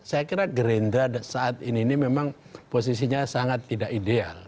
saya kira gerindra saat ini ini memang posisinya sangat tidak ideal